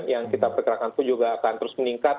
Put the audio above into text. yang kita perkirakan pun juga akan terus meningkat